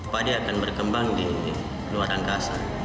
padi akan berkembang di luar angkasa